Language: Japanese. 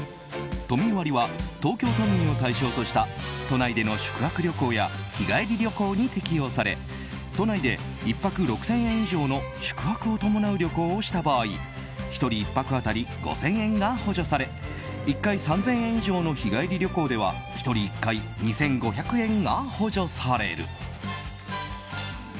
都民割は東京都民を対象とした都内での宿泊旅行や日帰り旅行に適用され都内で１泊６０００円以上の宿泊を伴う旅行をした場合１人１泊当たり５０００円が補助され１回３０００円以上の日帰り旅行では１人１回２５００円が補助される。